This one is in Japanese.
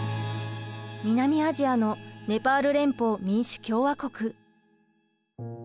南アジアのネパール連邦民主共和国。